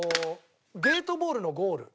ゲートボールのゴール？